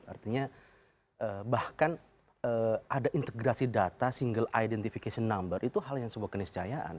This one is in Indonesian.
artinya bahkan ada integrasi data single identification number itu hal yang sebuah keniscayaan